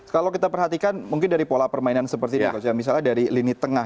kalau kita perhatikan mungkin dari pola permainan seperti ini misalnya dari lini tengah